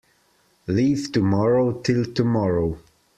Leave tomorrow till tomorrow.